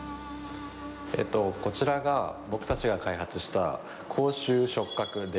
こちらが僕たちが開発した公衆触覚伝話です。